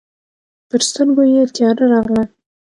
پر سترګو يې تياره راغله.